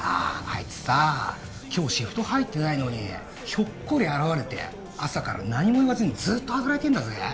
あいつさ今日シフト入ってないのにひょっこり現れて朝から何も言わずにずっと働いてんだぜ？